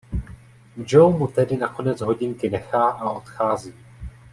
Joe mu tedy nakonec hodinky nechá a odchází.